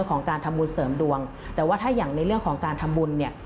ของการทำบุญเสริมดวงแต่ว่าถ้าอย่างในเรื่องของการทำบุญเนี่ย